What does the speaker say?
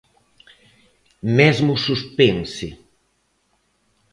Mesmo suspense.